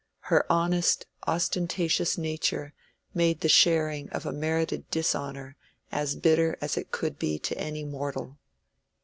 Her honest ostentatious nature made the sharing of a merited dishonor as bitter as it could be to any mortal.